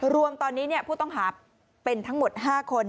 รวมตอนนี้ผู้ต้องหาเป็นทั้งหมด๕คน